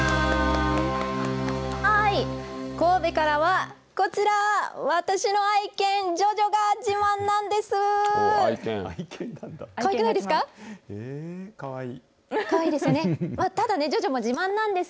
神戸からは、こちら、私の愛犬、ＪＯＪＯが自慢なんです。